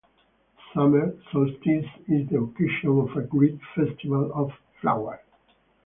The summer solstice is the occasion of a great festival of flowers.